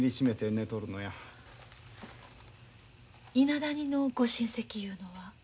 伊那谷のご親戚いうのは？